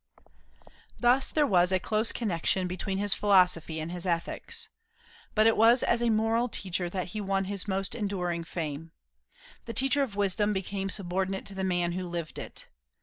Thus there was a close connection between his philosophy and his ethics. But it was as a moral teacher that he won his most enduring fame. The teacher of wisdom became subordinate to the man who lived it.